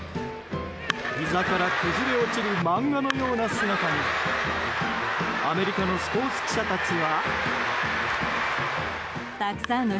ひざから崩れ落ちる漫画のような姿にアメリカのスポーツ記者たちは。